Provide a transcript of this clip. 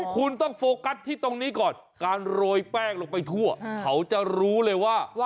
คุณต้องโฟกัสที่ตรงนี้ก่อนการโรยแป้งลงไปทั่วเขาจะรู้เลยว่า